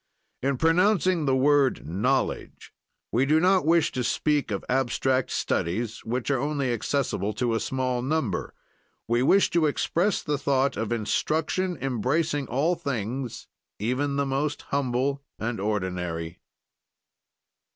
"In pronouncing the word knowledge, we do not wish to speak of abstract studies which are only accessible to a small number; we wish to express the thought of instruction embracing all things, even the most humble and ordinary.